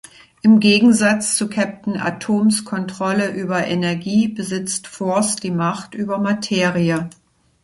Im Gegensatz zu Captain Atoms Kontrolle über Energie besitzt Force die Macht über Materie.